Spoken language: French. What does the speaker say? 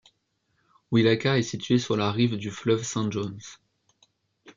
Welaka est située sur la rive du fleuve Saint Johns.